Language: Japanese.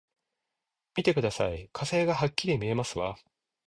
見てください、火星がはっきり見えますわ！